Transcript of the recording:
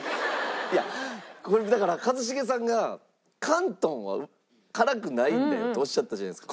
いやこれだから一茂さんが「広東は辛くない」みたいな事をおっしゃったじゃないですか。